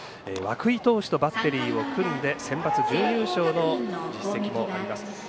涌井投手とバッテリーを組んでセンバツ準優勝の実績もあります。